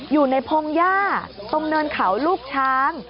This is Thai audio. อยู่ในพงหญ้าตรงเนินเขาลูกช้าง